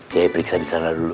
kiai periksa disana dulu